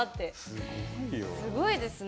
すごいですね。